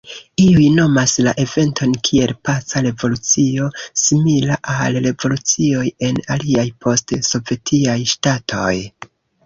Iuj nomas la eventon kiel paca revolucio simila al revolucioj en aliaj post-sovetiaj ŝtatoj.